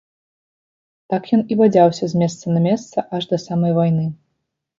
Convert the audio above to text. Так ён і бадзяўся з месца на месца аж да самай вайны.